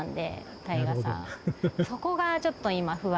そこがちょっと今不安。